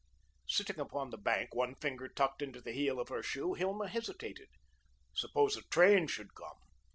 Sitting upon the bank, one finger tucked into the heel of her shoe, Hilma hesitated. Suppose a train should come!